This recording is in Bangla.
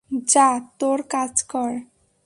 যা, তোর কাজ কর।